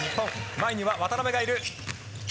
前には渡邊がいる。